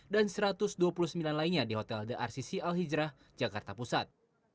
dan satu ratus dua puluh sembilan lainnya di hotel the rcc al hijrah jakarta pusat